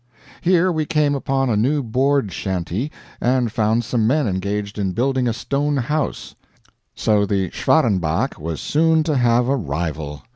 Here we came upon a new board shanty, and found some men engaged in building a stone house; so the Schwarenbach was soon to have a rival.